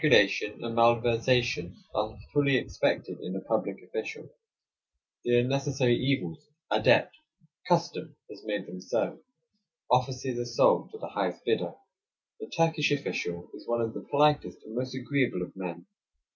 Peculation and malversation are fully expected in the public official. They are necessary evils — adet (custom) has made them so. Offices are sold to the highest bidder. The Turkish official is one of the politest and most agreeable of men.